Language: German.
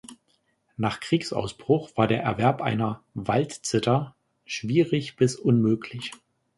Nach Kriegsausbruch war der Erwerb einer Waldzither schwierig bis unmöglich.